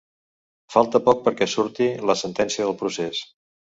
Falta poc perquè surti la sentència del procés